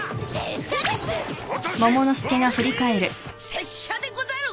拙者でござる！